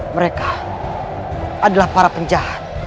mereka adalah para penjahat